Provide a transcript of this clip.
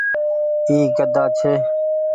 اي گھدآ ڇي۔